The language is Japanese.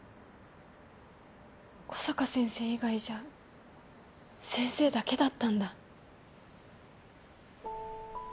小坂先生以外じゃ先生だけだったんだ。